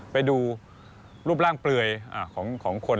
ไปดูรูปร่างเปลือยของคน